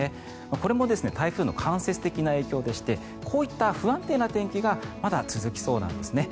これも台風の間接的な影響でしてこういった不安定な天気がまだ続きそうなんですね。